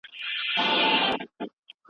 معلوم حق د زکات په نوم یادیږي.